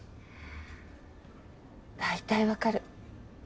大体分かる。